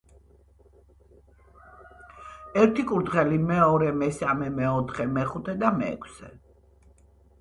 ერთი კურდღელი, მეორე, მესამე, მეოთხე, მეხუთე და მეექვსე.